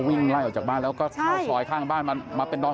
วิ่งไล่ออกจากบ้านแล้วก็ซอยข้างบ้านมาเป็นดอนตรงนี้